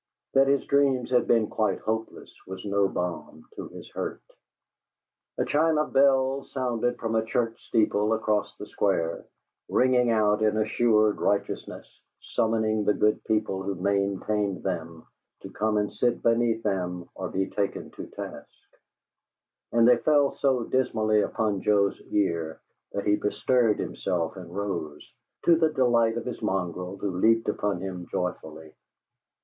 That his dreams had been quite hopeless was no balm to his hurt. A chime of bells sounded from a church steeple across the Square, ringing out in assured righteousness, summoning the good people who maintained them to come and sit beneath them or be taken to task; and they fell so dismally upon Joe's ear that he bestirred himself and rose, to the delight of his mongrel, who leaped upon him joyfully.